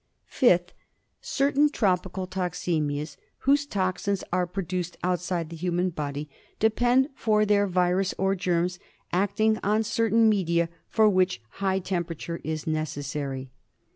5th. Certain tropical toxaemias whose toxines are pro duced outside the human body depend for their virus on germs acting on certain media, for which action high temperature is necessary.